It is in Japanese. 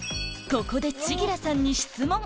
ここで千吉良さんに質問！